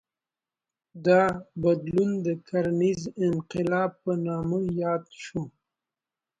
دا بدلون د کرنیز انقلاب په نامه یاد شو.